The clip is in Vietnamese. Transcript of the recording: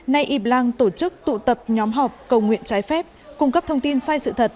nay y blang tổ chức tụ tập nhóm họp cầu nguyện trái phép cung cấp thông tin sai sự thật